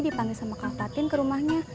dipanggil sama kak fatin ke rumahnya